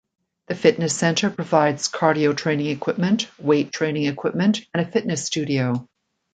The fitness centre provides cardio training equipment, weight training equipment, and a fitness studio.